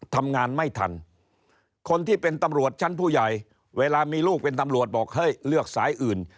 ทำงานไม่ทันคนที่เป็นตำรวจชั้นผู้ใหญ่เวลามีลูกเป็นตำรวจบอกเฮ้ยเลือกสายอื่น